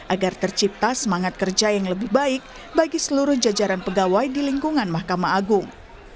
agar tercipta semangat kerja yang lebih baik bagi seluruh jajaran pegawai di lingkungan mahkamah agung